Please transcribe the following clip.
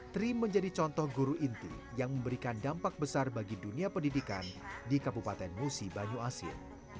tri menjadi contoh guru inti yang memberikan dampak besar bagi dunia pendidikan di kabupaten musi banyu asin